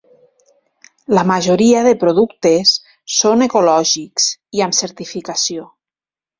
La majoria de productes són ecològics i amb certificació.